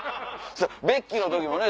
ベッキーの時もね